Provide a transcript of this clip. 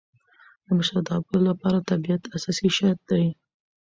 د مشرتابه له پاره بیعت اساسي شرط دئ.